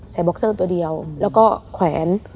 บ็อกเซอร์ตัวเดียวแล้วก็แขวน